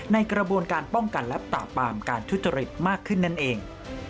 ในกระบวนการป้องกันและปราบปามการทุจริตมากขึ้นนั่นเอง